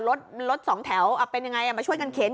รถรถสองแถวเป็นยังไงมาช่วยกันเข็น